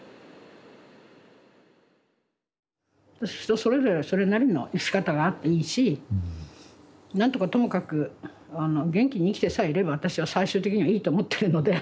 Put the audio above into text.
人それぞれそれなりの生き方があっていいし何とかともかくあの元気に生きてさえいれば私は最終的にはいいと思ってるので。